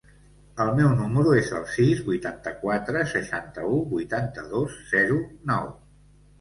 El meu número es el sis, vuitanta-quatre, seixanta-u, vuitanta-dos, zero, nou.